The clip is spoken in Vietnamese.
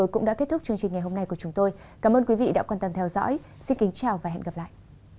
cảm ơn các bạn đã theo dõi và hẹn gặp lại